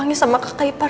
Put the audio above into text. si buruk rupa